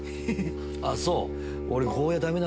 あっそう？